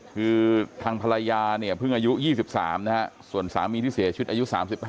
คือทางภรรยาเนี่ยเพิ่งอายุ๒๓นะฮะส่วนสามีที่เสียชีวิตอายุ๓๕